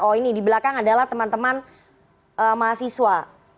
oh ini di belakang adalah teman teman mahasiswa